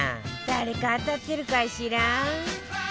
誰か当たってるかしら？